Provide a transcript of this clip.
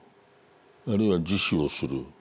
あるいは自死をする。